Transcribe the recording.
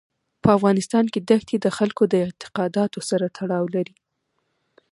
په افغانستان کې دښتې د خلکو د اعتقاداتو سره تړاو لري.